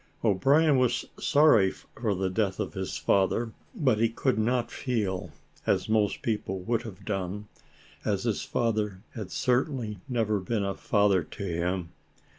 O'Brien was sorry for the death of his father, but he could not feel as most people would have done, as his father had certainly never been a father to him.